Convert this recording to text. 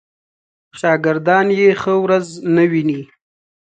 شاګردان یې ښه ورځ نه ویني.